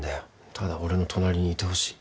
ただ俺の隣にいてほしい。